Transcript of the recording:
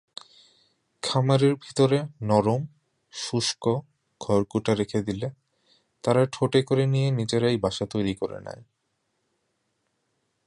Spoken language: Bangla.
খামারের ভিতরে নরম, শুষ্ক খড়-কুটা রেখে দিলে তারা ঠোঁটে করে নিয়ে নিজেরাই বাসা তৈরি করে নেয়।